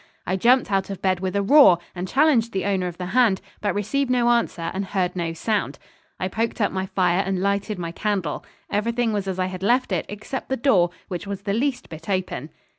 I jumped out of bed with a roar, and challenged the owner of the hand, but received no answer, and heard no sound. I poked up my fire and lighted my candle. Everything was as I had left it except the door, which was the least bit open.